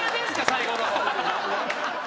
最後の方。